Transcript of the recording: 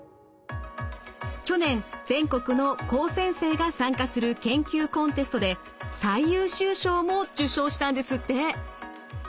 去年全国の高専生が参加する研究コンテストで最優秀賞も受賞したんですって。